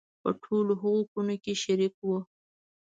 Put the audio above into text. په ټولو هغو کړنو کې شریک وو.